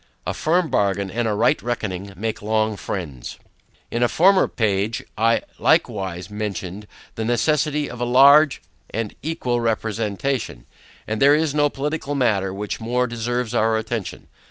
A firm bargain and a right reckoning make long friends. In a former page I likewise mentioned the necessity of a large and equal representation; and there is no political matter which more deserves our attention.